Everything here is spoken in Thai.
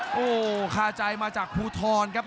โอ้โหคาใจมาจากภูทรครับ